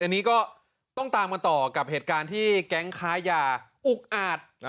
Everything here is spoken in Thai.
อันนี้ก็ต้องตามกันต่อกับเหตุการณ์ที่แก๊งค้ายาอุกอาจ